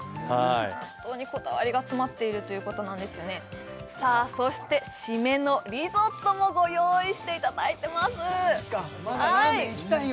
本当にこだわりが詰まっているということなんですよねさあそして締めのリゾットもご用意していただいてますマジかまだラーメンいきたいよ